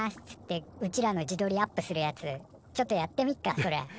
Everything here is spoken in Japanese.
つってうちらの自どりアップするやつちょっとやってみっかそれ。